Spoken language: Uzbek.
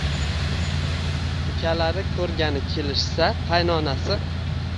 Ukalari ko`rgani kelishsa, qaynonasi